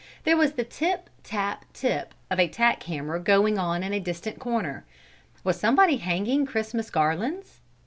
There was the tip tap tip of a tack hammer going on in a distant corner. Was somebody hanging Christmas garlands?